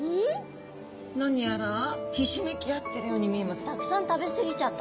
何やらひしめき合ってるように見えますよね。